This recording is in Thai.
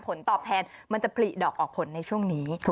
ผลตอบแทนมันจะผลิดอกออกผลในช่วงนี้